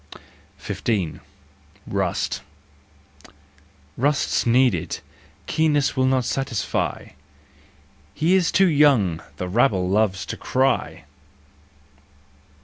IS* Rust Rust's needed: keenness will not satisfy! " He is too young! " the rabble loves to cry.